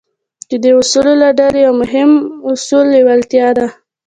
د دې اصولو له ډلې يو مهم اصل لېوالتیا ده.